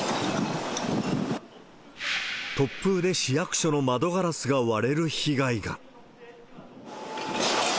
突風で市役所の窓ガラスが割れる被害が。